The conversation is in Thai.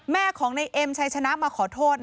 แม่ของในเอ็มชัยชนะมาขอโทษ